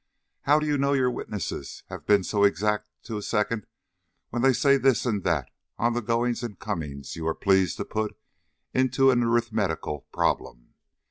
"How do you know your witnesses have been so exact to a second when they say this and that of the goings and comings you are pleased to put into an arithmetical problem.